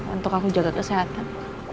untuk aku jaga kesehatan